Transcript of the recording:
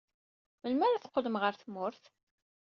Melmi ara teqqlem ɣer tmurt?